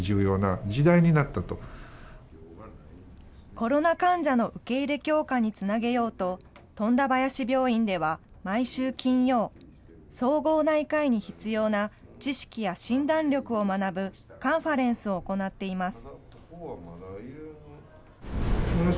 コロナ患者の受け入れ強化につなげようと、富田林病院では毎週金曜、総合内科医に必要な知識や診断力を学ぶカンファレンスを行っています。